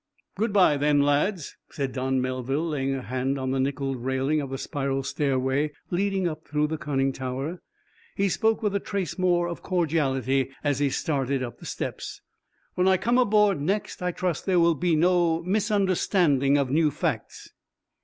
"Good bye, then, lads," said Don Melville, laying a hand on the nickeled railing of the spiral stairway leading up through the conning tower. He spoke with a trace more of cordiality as he started up the steps: "When I come aboard next I trust there will be no misunderstanding of new facts."